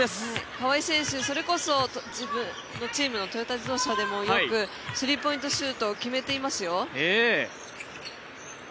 川井選手、それこそ自分のチームのトヨタ自動車でもよくスリーポイントシュートを決めていますよ。